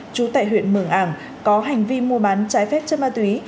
trú tại huyện mường ảng có hành vi mua bán trái phép chất ma túy